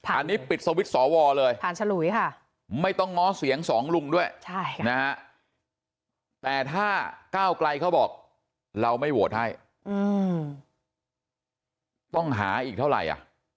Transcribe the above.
อันนี้ปิดสวิตช์สอวรเลยไม่ต้องง้อเสียง๒ลุงด้วยนะฮะแต่ถ้าก้าวกลัยเขาบอกเราไม่โหวดให้ต้องหาอีกเท่าไหร่